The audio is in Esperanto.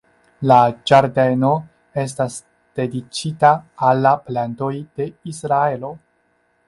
La ĝardeno estas dediĉita al la plantoj de Israelo.